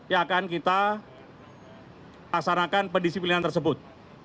yang akan kita laksanakan pendisiplinan tersebut